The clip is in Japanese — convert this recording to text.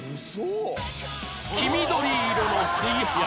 黄緑色の炊飯器